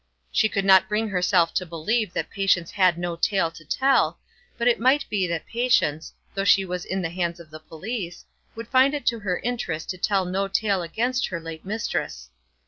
She could not bring herself to believe that Patience had no tale to tell, but it might be that Patience, though she was in the hands of the police, would find it to her interest to tell no tale against her late mistress.